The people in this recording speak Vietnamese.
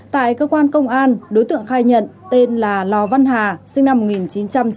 tại cơ quan công an đối tượng khai nhận tên là lò văn hà sinh năm một nghìn chín trăm chín mươi